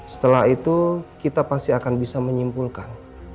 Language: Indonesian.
setelah itu kita pasti akan bisa menyimpulkan